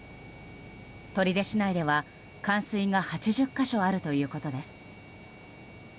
取手市内では、冠水が８０か所あるということです。